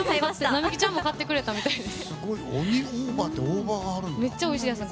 並木ちゃんも買ってくれたみたいで。